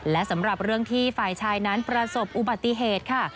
และสำหรับเรื่องที่ฝ่ายชายนั้นประสบอุบัติเหตุค่ะ